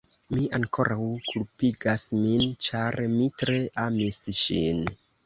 Mi ankoraŭ kulpigas min, ĉar mi tre amis ŝin.